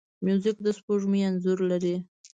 موزیک د سپوږمۍ انځور لري.